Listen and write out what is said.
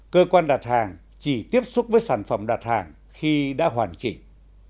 cơ quan đặt hàng chỉ tiếp xúc với sản phẩm đặt hàng khi đã hoàn chỉnh